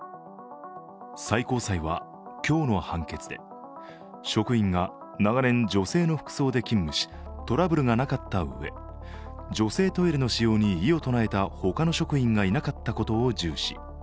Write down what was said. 最高裁は今日の判決で、職員が長年、女性の服装で勤務しトラブルがなかったうえ、女性トイレの使用に異を唱えた他の職員がいなかったことを重視。